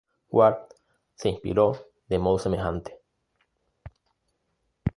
Ward se inspiró de modo semejante.